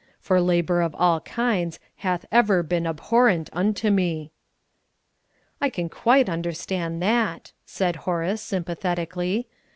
"For labour of all kinds hath ever been abhorrent unto me." "I can quite understand that," said Horace, sympathetically.